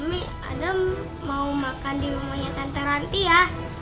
mami adam mau makan di rumahnya tante ranti ya